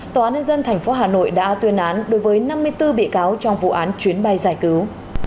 tòa án nhân dân tp hà nội đã tuyên án đối với năm mươi bốn bị cáo trong vụ án chuyến bay giải cứu